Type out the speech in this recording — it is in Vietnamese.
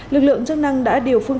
lực lượng chức năng đã điều phương